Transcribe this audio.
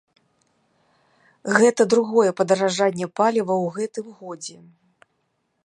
Гэта другое падаражанне паліва ў гэтым годзе.